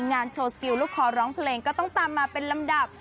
งานโชว์สกิลลูกคอร้องเพลงก็ต้องตามมาเป็นลำดับ